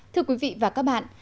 thưa quý vị và các bạn